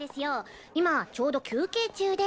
今ちょうど休憩中で。